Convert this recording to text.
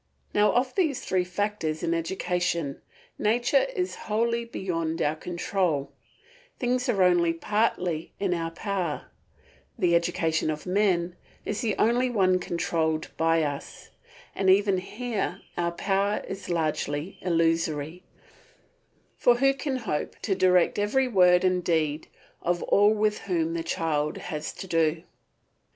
Now of these three factors in education nature is wholly beyond our control, things are only partly in our power; the education of men is the only one controlled by us; and even here our power is largely illusory, for who can hope to direct every word and deed of all with whom the child has to do.